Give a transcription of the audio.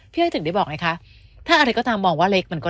อ้อยถึงได้บอกไงคะถ้าอะไรก็ตามมองว่าเล็กมันก็